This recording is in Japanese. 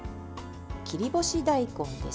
切り干し大根です。